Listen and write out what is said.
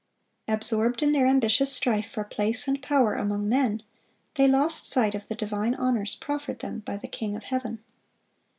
Absorbed in their ambitious strife for place and power among men, they lost sight of the divine honors proffered them by the King of heaven.